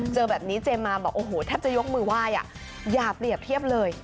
เจอแบบนี้เจมส์มาบอกโอ้โหแทบจะยกมือไหว้อย่าเปรียบเทียบเลย